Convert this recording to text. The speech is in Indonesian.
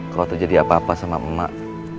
kalau terjadi apa apa sama emak